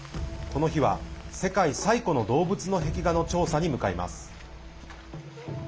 この日は世界最古の動物の壁画の調査に向かいます。